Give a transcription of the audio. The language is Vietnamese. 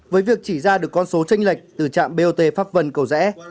với việc chỉ ra được con số tranh lệch từ trạm bot pháp vân cầu rẽ